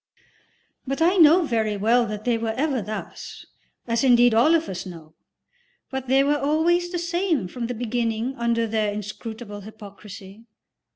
But I know very well that they were ever thus (as indeed all of us know); they were always the same from the beginning under their inscrutable hypocrisy.